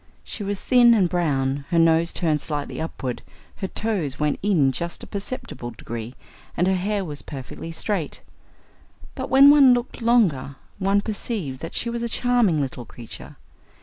She was thin and brown, her nose turned slightly upward, her toes went in just a perceptible degree, and her hair was perfectly straight. But when one looked longer, one perceived that she was a charming little creature.